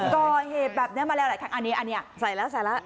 ก็เหตุแบบนี้มาแล้วหลายครั้งอันนี้ใส่แล้ว